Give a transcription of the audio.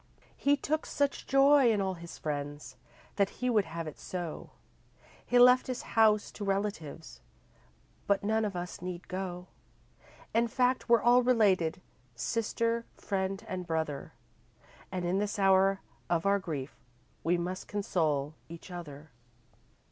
He took such joy in all his friends That he would have it so; He left his house to relatives But none of us need go. In fact, we're all related, Sister, friend, and brother; And in this hour of our grief We must console each other.